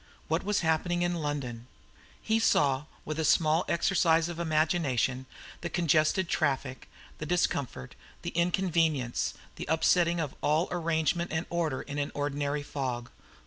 What was happening in London? He saw, with small exercise of imagination, the congested traffic, the discomfort, the inconvenience, the upsetting of all arrangement and order in an ordinary fog.